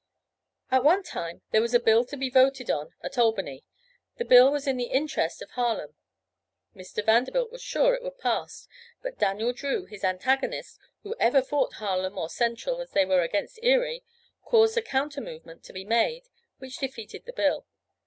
At one time there was a bill to be voted on at Albany; the bill was in the interest of Harlem; Mr. Vanderbilt was sure it would pass, but Daniel Drew, his antagonist, who ever fought Harlem or Central as they were against Erie, caused a counter movement to be made which defeated the bill.